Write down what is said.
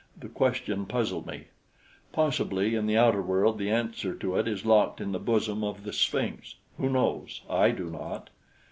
The question puzzled me. Possibly in the outer world the answer to it is locked in the bosom of the Sphinx. Who knows? I do not.